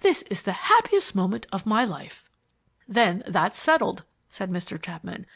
This is the happiest moment of my life." "Then that's settled," said Mr. Chapman.